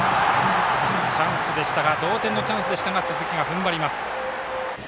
同点のチャンスでしたが鈴木がふんばります。